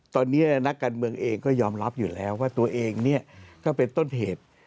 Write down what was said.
ตอนนี้นักการเมืองเองก็ยอมรับอยู่แล้วว่าตัวเองเนี่ยก็เป็นต้นเหตุ